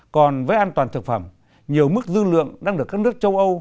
còn với an toàn thực phẩm nhiều mức dư lượng đang được các nước châu âu